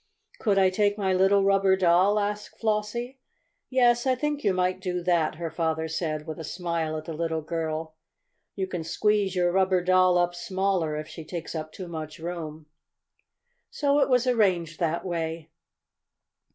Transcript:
"Could I take my little rubber doll?" asked Flossie. "Yes, I think you might do that," her father said, with a smile at the little girl. "You can squeeze your rubber doll up smaller, if she takes up too much room." So it was arranged that way.